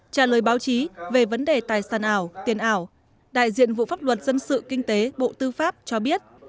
trả lời báo chí về vấn đề tài sản ảo tiền ảo đại diện vụ pháp luật dân sự kinh tế bộ tư pháp cho biết